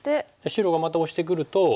白がまたオシてくると。